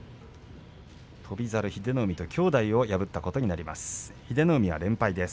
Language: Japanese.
翔猿、英乃海と兄弟を破ったことになります。